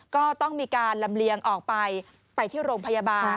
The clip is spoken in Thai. ก็ต้องมีการลำเลียงออกไปไปที่โรงพยาบาล